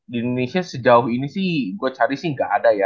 di indonesia sejauh ini sih gue cari sih nggak ada ya